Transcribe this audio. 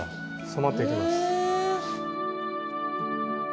染まっていきます。